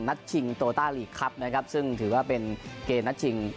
นัดชิงโตราหลีครับซึ่งถือว่าเป็นเกมนัดชิง